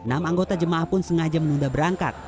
enam anggota jemaah pun sengaja menunda berangkat